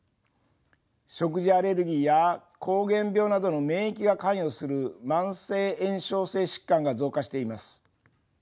食事アレルギーや膠原病などの免疫が関与する慢性炎症性疾患が増加しています。